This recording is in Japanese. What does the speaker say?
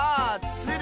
ツル？